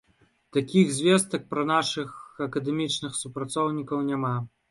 Такіх звестак пра нашых акадэмічных супрацоўнікаў няма.